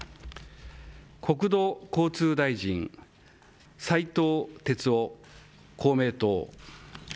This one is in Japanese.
国土交通大臣、斉藤鉄夫、公明党。